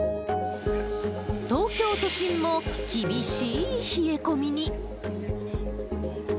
東京都心も厳しい冷え込みに。